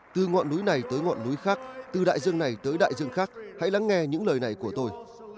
từ ngọn núi này tới ngọn núi khác từ đại dương này tới đại dương khác hãy lắng nghe những lời này của tôi